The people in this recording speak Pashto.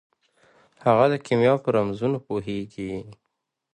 هغه د کیمیا په رمزونو پوهیږي.